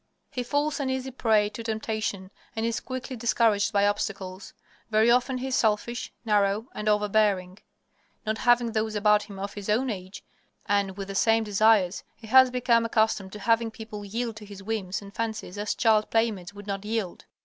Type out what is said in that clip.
He falls an easy prey to temptation and is quickly discouraged by obstacles. Very often he is selfish, narrow, and overbearing. Not having those about him of his own age and with the same desires, he has become accustomed to having people yield to his whims and fancies as child playmates would not yield.